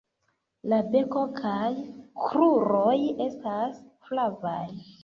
La beko kaj kruroj estas flavaj.